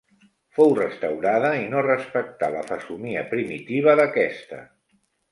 Fou restaurada i no respectà la fesomia primitiva d'aquesta.